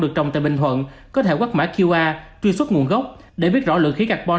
được trồng tại bình thuận có thể quắt mã qr truy xuất nguồn gốc để biết rõ lượng khí carbon